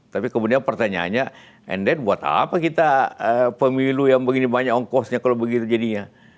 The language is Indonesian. tapi kemudian pertanyaannya and then buat apa kita pemilu yang begini banyak ongkosnya kalau begitu jadinya